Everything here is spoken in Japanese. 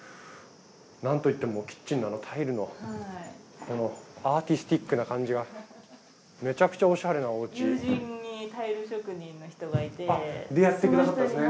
なんといってもキッチンのタイルのこのアーティスティックな感じがめちゃくちゃオシャレなお家。でやってくださったんですね。